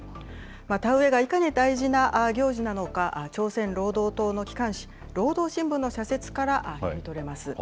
田植えがいかに大事な行事なのか、朝鮮労働党の機関紙、労働新聞の社説から読み取れます。